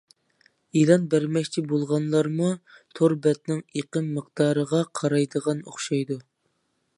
ئېلان بەرمەكچى بولغانلارمۇ تور بەتنىڭ ئېقىم مىقدارىغا قارايدىغان ئوخشايدۇ.